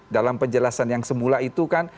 dalam penjelasan yang semula itu kan